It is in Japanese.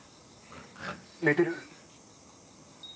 寝てる。